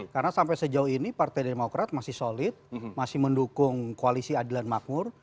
karena sampai sejauh ini partai demokrat masih solid masih mendukung koalisi adilan makmur